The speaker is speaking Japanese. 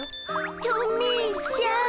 トミーしゃん！